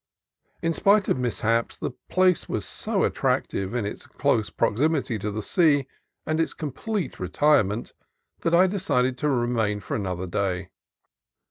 In spite of mishaps, the place was so attractive, in its close proximity to the sea and its complete re tirement, that I decided to remain for another day.